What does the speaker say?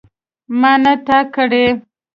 ما نه تا کړی.